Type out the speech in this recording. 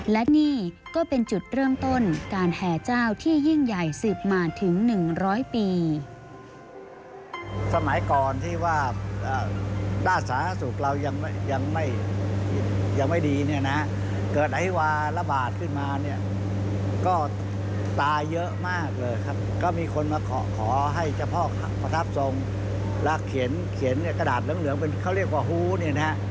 และนี่ก็เป็นจุดเริ่มต้นการแห่เจ้าที่ยิ่งใหญ่สืบมาถึง๑๐๐ปี